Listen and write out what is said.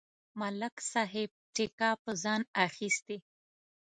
ملک صاحب ټېکه په ځان اخستې.